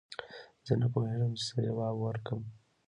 زه نه پوهېږم چې څه جواب ورکړم